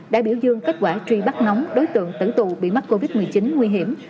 đã biểu dương kết quả truy bắt nóng đối tượng tấn tù bị mắc covid một mươi chín nguy hiểm